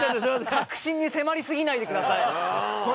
核心に迫りすぎないでください。